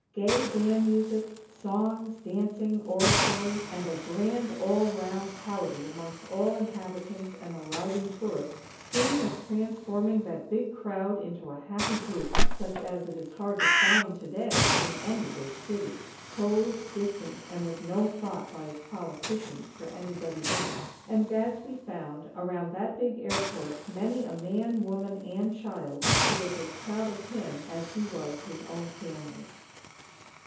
Gay band music, songs, dancing, oratory; and a grand all round "howdy" amongst old inhabitants and arriving tourists soon was transforming that big crowd into a happy group, such as it is hard to find, today, in any big city; cold, distant, and with no thought by its politicians for anybody in it; and Gadsby found, around that big airport, many a man, woman and child who was as proud of him as was his own family.